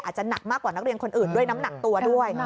อาจจะหนักมากกว่านักเรียนคนอื่นด้วยน้ำหนักตัวด้วย